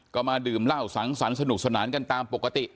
ก็มาดื่มเหล้าสังสรรคสนุกสนานกันตามปกติ